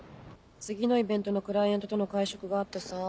次のイベントのクライアントとの会食があってさ。